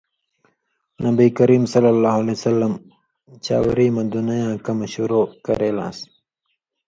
نبی کریم صلی اللہ علیہ وسلم چاؤری مہ دُنَیں یاں کمہۡ شروع کرے لان٘س؛